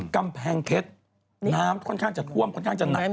กำแพงเพชรน้ำค่อนข้างจะท่วมค่อนข้างจะหนัก